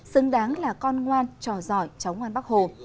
xứng đáng là con ngoan trò giỏi cháu ngoan bắc hồ